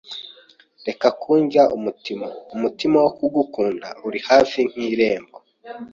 reka kundya umutima, umutima wo kugukunda uri hafi nk’irembo,